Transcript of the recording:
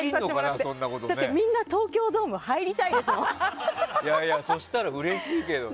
みんな東京ドームそうしたらうれしいけどね。